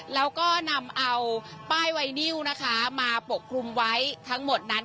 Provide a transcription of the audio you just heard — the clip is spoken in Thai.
แล้วก็นำเอาป้ายไวนิวนะคะมาปกคลุมไว้ทั้งหมดนั้น